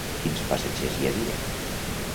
Quins passatgers hi havia?